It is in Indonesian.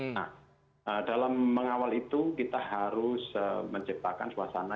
nah dalam mengawal itu kita harus menciptakan suasana